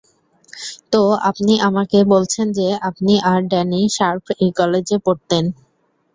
তো আপনি আমাকে বলছেন যে আপনি আর ড্যানি শার্প একই কলেজে পড়তেন?